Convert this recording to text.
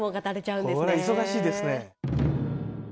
これ忙しいですね。